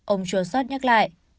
ông chua sót nhắc lại